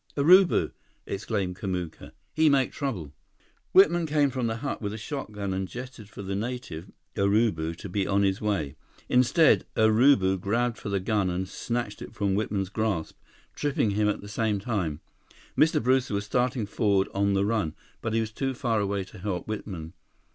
"Urubu!" exclaimed Kamuka. "He make trouble!" Whitman came from the hut with a shotgun and gestured for the native, Urubu, to be on his way. Instead, Urubu grabbed for the gun and snatched it from Whitman's grasp, tripping him at the same time. Mr. Brewster was starting forward on the run, but he was too far away to help Whitman.